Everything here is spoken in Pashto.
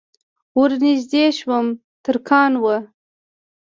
ور نږدې شوم ترکان وو.